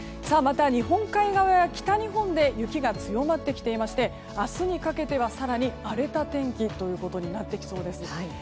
また日本海側や北日本で雪が強まってきていまして明日にかけては更に荒れた天気になっていきそうです。